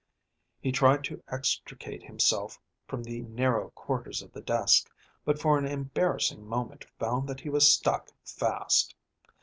He tried to extricate himself from the narrow quarters of the desk, but for an embarrassing moment found that he was stuck fast.